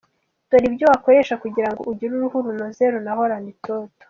Dore ibyo wakoresha kugira ngo ugire uruhu runoze runahorana itoto:.